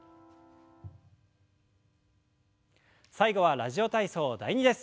最後は「ラジオ体操第２」です。